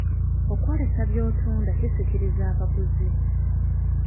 Okwolesa by'otunda kisikiriza abaguzi.